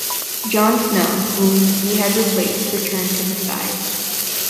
John Snow, whom he had replaced, returned to the side.